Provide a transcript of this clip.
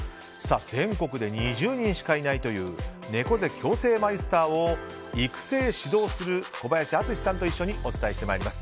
全国で２０人しかいないという猫背矯正マイスターを育成・指導する小林篤史さんと一緒にお伝えしてまいります。